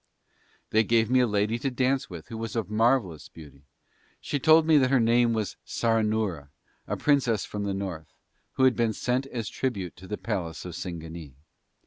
They gave me a lady to dance with who was of marvellous beauty, she told me that her name was Saranoora, a princess from the North, who had been sent as tribute to the palace of Singanee.